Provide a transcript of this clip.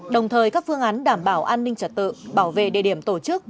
đồng thời các phương án đảm bảo an ninh trật tự bảo vệ địa điểm tổ chức